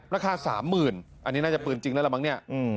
ราคา๓๐๐๐อันนี้น่าจะปืนจริงแล้วละมั้งเนี่ย